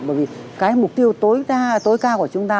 bởi vì cái mục tiêu tối cao của chúng ta